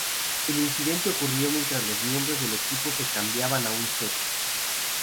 El incidente ocurrió mientras los miembros del equipo se cambiaban a un set.